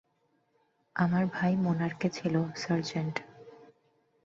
আমার ভাই মোনার্কে ছিল, সার্জেন্ট।